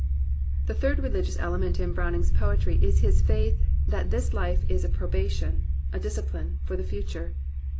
The third religious element in Browning's poetry is his faith that this life is a probation, a dis cipline for the future.